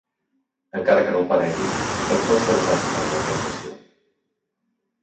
Encara que no ho paregui, soc força desastre en la organització.